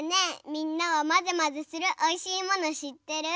みんなはまぜまぜするおいしいものしってる？